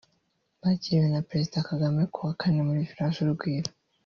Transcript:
bakiriwe na Perezida Kagame kuwa Kane muri Village Urugwiro